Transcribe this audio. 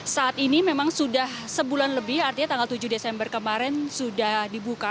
saat ini memang sudah sebulan lebih artinya tanggal tujuh desember kemarin sudah dibuka